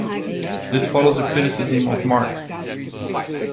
This follows the criticism of Marx.